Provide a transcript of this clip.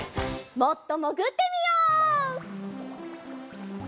もっともぐってみよう。